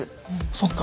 そっか。